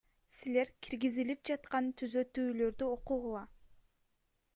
Силер киргизилип жаткан түзөтүүлөрдү окугула.